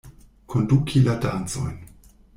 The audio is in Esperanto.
Konduki la dancojn.